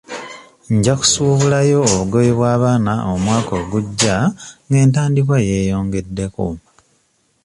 Nja kusuubulayo obugoye bw'abaana omwaka ogujja nga entandikwa yeeyongeddeko.